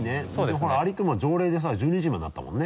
ほら安里隈条例でさ１２時までになったもんね